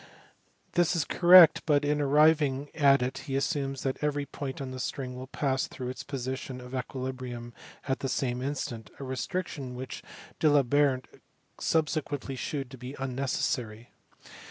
This is correct, but in arriving at it he assumes that every point of the string will pass through its position of equili brium at the same instant, a restriction which D Alembert subsequently shewed to be unnecessary.